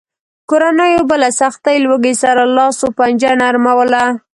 کورنیو به له سختې لوږې سره لاس و پنجه نرموله.